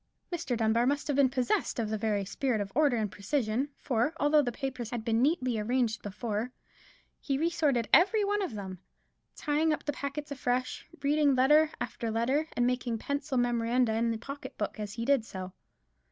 Mr. Dunbar must have been possessed of the very spirit of order and precision; for, although the papers had been neatly arranged before, he re sorted every one of them; tying up the packets afresh, reading letter after letter, and making pencil memoranda in his pocket book as he did so.